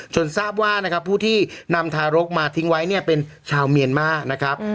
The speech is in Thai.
ทราบว่านะครับผู้ที่นำทารกมาทิ้งไว้เนี่ยเป็นชาวเมียนมานะครับ